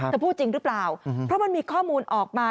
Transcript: พูดจริงหรือเปล่าเพราะมันมีข้อมูลออกมา